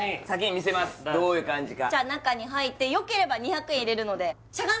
先に見せますどういう感じか中に入ってよければ２００円入れるので